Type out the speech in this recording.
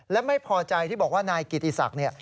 และไม่พอใจที่บอกว่านายกิติศักดิ์เนี่ย